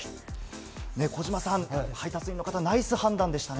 児嶋さん、配達員の方、ナイス判断でしたね。